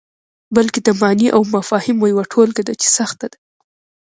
بلکې د معني او مفاهیمو یوه ټولګه ده چې سخته ده.